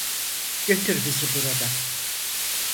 Götür bizi buradan.